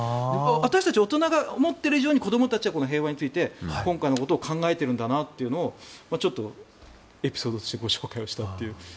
私たち大人が思っている以上は子どもたちは平和について今回、考えているなというのをエピソードとしてご紹介したという。